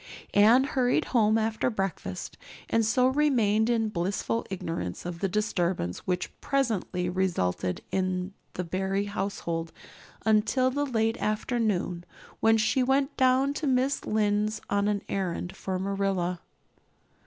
Anne hurried home after breakfast and so remained in blissful ignorance of the disturbance which presently resulted in the Barry household until the late afternoon, when she went down to Mrs. Lynde's on an errand for Marilla.